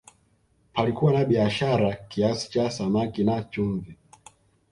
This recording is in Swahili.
palikuwa na biashara kiasi cha samaki na chumvi